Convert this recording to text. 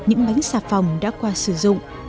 những bánh xà phòng đã qua sử dụng